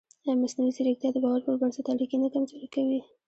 ایا مصنوعي ځیرکتیا د باور پر بنسټ اړیکې نه کمزورې کوي؟